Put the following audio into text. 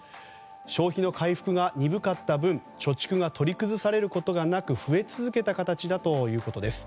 消費の回復が鈍かった分貯蓄が取り崩されることがなく増え続けた形だということです。